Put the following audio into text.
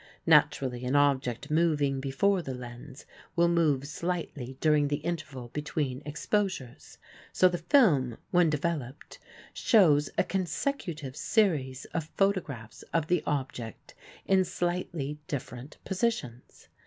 Naturally, an object moving before the lens will move slightly during the interval between exposures, so the film, when developed, shows a consecutive series of photographs of the object in slightly different positions.